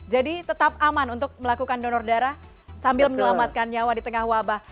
jadi tetap aman untuk melakukan donor darah sambil menyelamatkan nyawa di tengah wabah